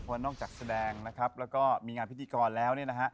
เพราะนอกจากแสดงนะครับแล้วก็มีงานพิธีกรแล้วเนี่ยนะฮะ